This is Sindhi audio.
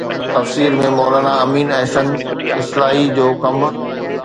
تفسير ۾ مولا نا امين احسن اصلاحي جو ڪم